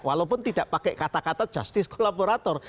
walaupun tidak pakai kata kata justice kolaborator